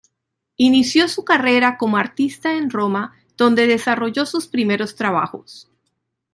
Inició su carrera como artista en Roma, donde desarrolló sus primeros trabajos.